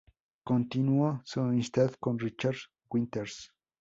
Continuó su amistad con Richard Winters.